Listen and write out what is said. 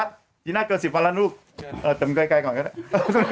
จีน่าเกิด๑๐วันละลูกไปจำไกลก่อนก็ได้